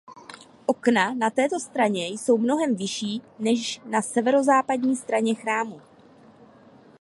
Okna na této straně jsou mnohem vyšší než na severozápadní straně chrámu.